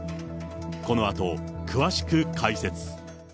このあと、詳しく解説。